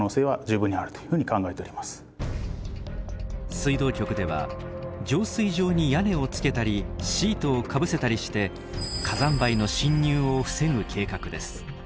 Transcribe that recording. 水道局では浄水場に屋根をつけたりシートをかぶせたりして火山灰の侵入を防ぐ計画です。